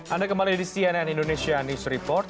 anda kembali di cnn indonesia news report